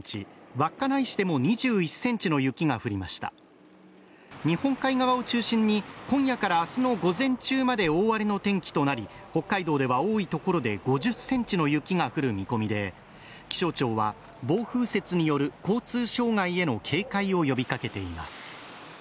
稚内市でも２１センチの雪が降りました日本海側を中心に今夜からあすの午前中まで大荒れの天気となり北海道では多い所で５０センチの雪が降る見込みで気象庁は暴風雪による交通障害への警戒を呼びかけています